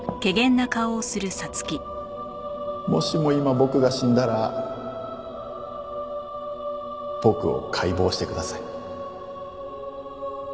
もしも今僕が死んだら僕を解剖してください。